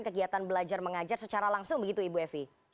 kegiatan belajar mengajar secara langsung begitu ibu evi